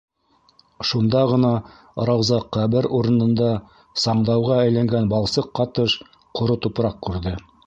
- Шунда ғына Рауза ҡәбер урынында саңдауға әйләнгән балсыҡ ҡатыш ҡоро тупраҡ күрҙе.